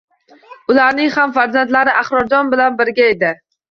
Ularning ham farzandlari Ahrorjon bilan birga edi